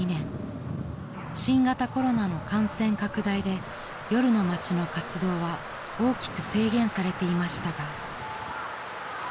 ［新型コロナの感染拡大で夜の街の活動は大きく制限されていましたが］